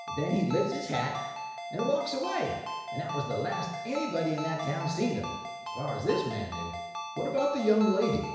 Then he lifts his hat and walks away, and that was the last anybody in that town seen of him, as far as this man knew." "What about the young lady?"